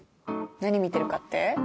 何見てるかって？